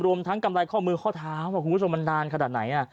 รวมทั้งกำไรข้อมือข้อเท้าคุณผู้ชมมันนานขนาดไหน